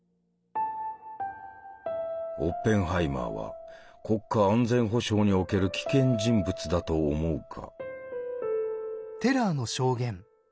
「オッペンハイマーは国家安全保障における危険人物だと思うか」。